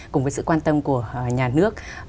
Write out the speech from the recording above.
cùng với sự quan tâm của nhà nước